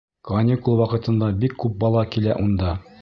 Каникул ваҡытында бик күп бала килә унда.